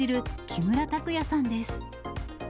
木村拓哉さんです。